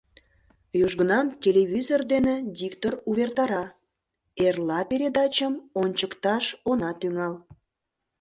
Южгунам телевизор дене диктор увертара: «Эрла передачым ончыкташ она тӱҥал.